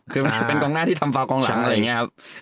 คือมันเป็นกองหน้าที่ทำฟาวกองหลังอะไรอย่างนี้ครับ